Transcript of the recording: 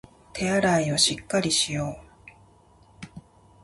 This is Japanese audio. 手洗いをしっかりしよう